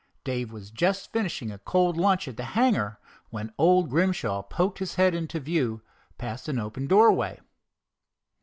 Dave was just finishing a cold lunch at the hangar, when old Grimshaw poked his head into view past an open doorway.